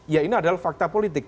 ya ini adalah fakta politik